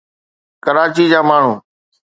ڪراچي جا ماڻهو